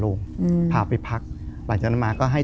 ดูเองใหญ่เลยลิ้นปี้นหมดแล้วอะไรอย่างเนี้ย